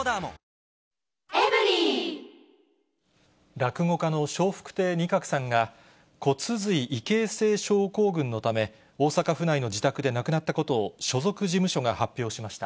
落語家の笑福亭仁鶴さんが、骨髄異形成症候群のため、大阪府内の自宅で亡くなったことを、所属事務所が発表しました。